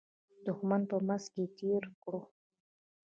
دښمن په منځ کې تېر کړو.